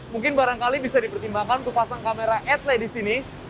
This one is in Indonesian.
mungkin barangkali bisa dipertimbangkan untuk pasang kamera atle di sini